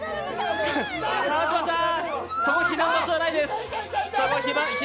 川島さん、そこ避難場所じゃないです。